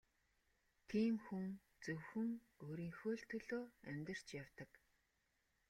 Тийм хүн зөвхөн өөрийнхөө л төлөө амьдарч явдаг.